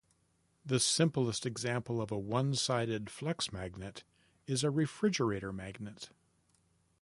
The simplest example of a one sided flux magnet is a refrigerator magnet.